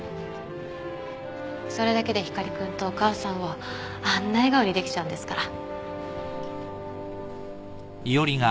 それだけで光君とお母さんをあんな笑顔にできちゃうんですから。